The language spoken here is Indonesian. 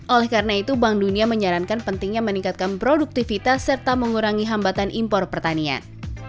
oleh karena itu bank dunia menyarankan pentingnya meningkatkan produktivitas serta mengurangi hambatan impor pertanian